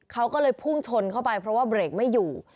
เขาก็เลยพุ่งชนเข้าไปเพราะว่าเบรกไม่อยู่